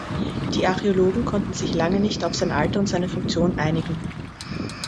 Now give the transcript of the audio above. Die Archäologen konnten sich lange nicht auf sein Alter und seine Funktion einigen.